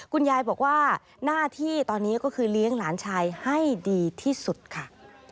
คุณยายบอกว่าหน้าที่ตอนนี้ก็คือเลี้ยงหลานชายให้ดีที่สุดค่ะ